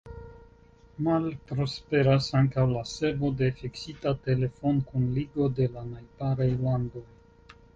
Malprosperas ankaŭ la servo de fiksita telefonkunligo de la najbaraj landoj.